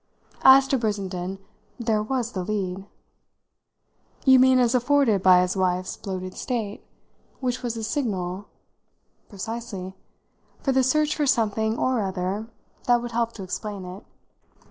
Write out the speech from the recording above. As to Brissenden there was the lead." "You mean as afforded by his wife's bloated state, which was a signal ?" "Precisely: for the search for something or other that would help to explain it.